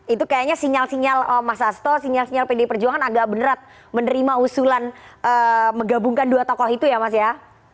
itu kayaknya sinyal sinyal mas asto sinyal sinyal pdi perjuangan agak berat menerima usulan menggabungkan dua tokoh itu ya mas ya